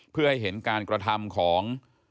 เพื่อให้เห็นการกระทำของ